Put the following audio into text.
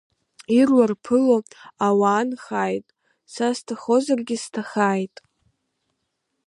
Ируа рԥыло ауаа нхааит, са сҭахозаргьы сҭахааит!